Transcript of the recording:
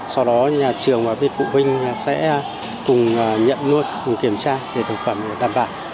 sau đó nhà trường và bên phụ huynh sẽ cùng nhận nuốt cùng kiểm tra để thực phẩm đảm bảo